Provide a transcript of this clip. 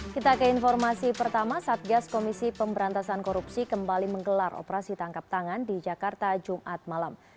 kita ke informasi pertama satgas komisi pemberantasan korupsi kembali menggelar operasi tangkap tangan di jakarta jumat malam